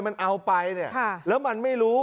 มันเอาไปเนี่ยแล้วมันไม่รู้